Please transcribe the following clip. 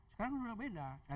sekarang sudah beda